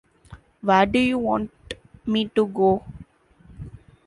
Where do you want me to go?